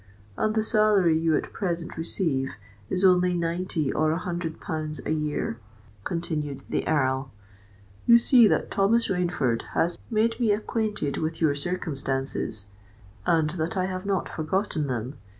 "And the salary you at present receive is only ninety or a hundred pounds a year?" continued the Earl. "You see that Thomas Rainford made me acquainted with your circumstances, and that I have not forgotten them.